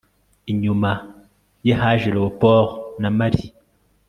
inyuma ye haje leopold na marie